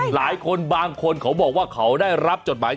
บางคนบางคนเขาบอกว่าเขาได้รับจดหมาย